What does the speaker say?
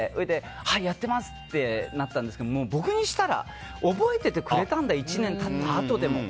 はい、やってますってなったんですけど、僕にしたら覚えててくれたんだ１年経ったあとでも。